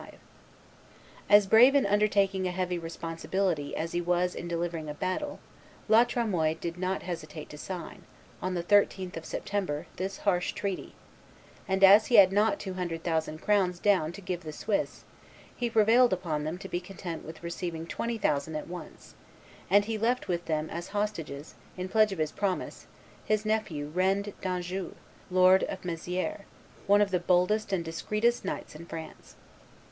175.] As brave in undertaking a heavy responsibility as he was in delivering a battle, La Tremoille did not hesitate to sign, on the 13th of September, this harsh treaty; and, as he had not two hundred thousand crowns down to give the Swiss, he prevailed upon them to be content with receiving twenty thousand at once, and he left with them as hostage, in pledge of his promise, his nephew Rend d'Anjou, lord of Mezieres, "one of the boldest and discreetest knights in France."